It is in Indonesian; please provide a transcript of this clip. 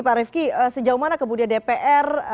pak rifki sejauh mana kemudian dpr